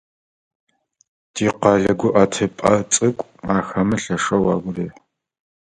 Тикъэлэ гуӏэтыпӏэ цӏыкӏу ахэмэ лъэшэу агу рехьы.